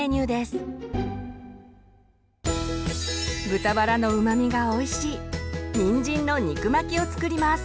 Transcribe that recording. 豚バラのうまみがおいしいにんじんの肉巻きを作ります。